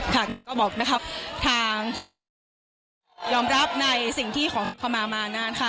ค่ะก็บอกนะครับทางยอมรับในสิ่งที่ขอขมามานานค่ะ